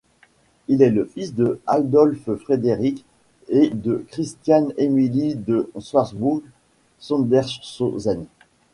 Il est le fils de Adolphe-Frédéric et de Christiane-Émilie de Schwarzbourg-Sondershausen.